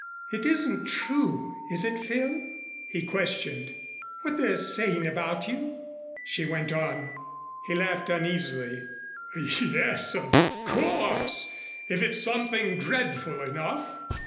"It isn't true, is it, Phil?" He questioned. "What they're saying about you," she went on. He laughed uneasily. "Yes, of course, if it's something dreadful enough."